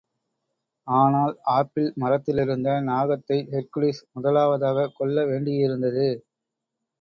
ஆனால், ஆப்பிள் மரத்திலிருந்த நாகத்தை ஹெர்க்குலிஸ் முதலாவதாகக் கொல்ல வேண்டியிருந்தது.